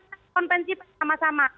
kan konvensi sama sama